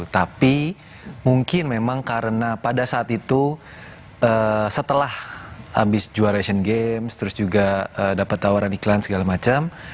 tapi mungkin memang karena pada saat itu setelah habis juara asian games terus juga dapat tawaran iklan segala macam